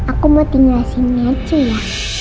aku mau tinggal sini aja ya